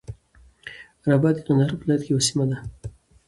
رباط د قندهار په ولایت کی یوه سیمه ده.